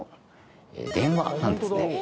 電話なんですね。